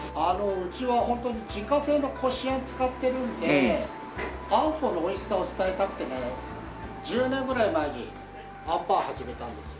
うちはホントに自家製のこしあん使ってるんであんこのおいしさを伝えたくてね１０年ぐらい前にあんぱん始めたんですよ。